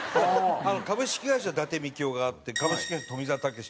株式会社伊達みきおがあって株式会社富澤たけしとかが。